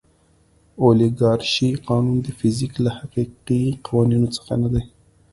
اولیګارشي قانون د فزیک له حقیقي قوانینو څخه نه دی.